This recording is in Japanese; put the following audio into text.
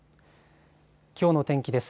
きょうの天気です。